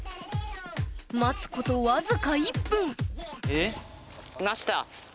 待つこと僅か１分いました！